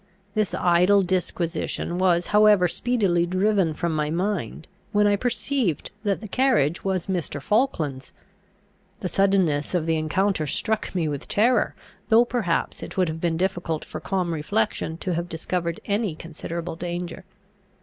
This idle disquisition was however speedily driven from my mind when I perceived that the carriage was Mr. Falkland's. The suddenness of the encounter struck me with terror, though perhaps it would have been difficult for calm reflection to have discovered any considerable danger.